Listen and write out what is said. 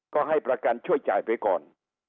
ก็ให้ประกันช่วยจ่ายไปก่อน